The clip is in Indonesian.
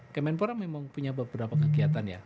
kemenpora memang punya beberapa kegiatan ya